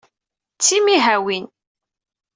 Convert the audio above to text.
D timihawin.